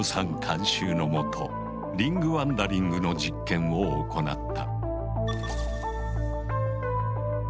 監修のもとリングワンダリングの実験を行った。